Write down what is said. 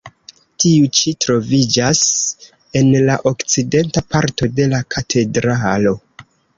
Tiu ĉi troviĝas en la okcidenta parto de la katedralo.